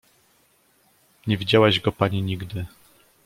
"nie widziałaś go pani nigdy!"